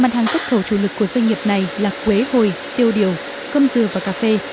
mặt hàng xuất khẩu chủ lực của doanh nghiệp này là quế hồi tiêu điều cơm dừa và cà phê